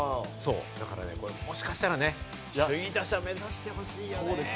だからね、もしかしたら首位打者を目指してほしいよね。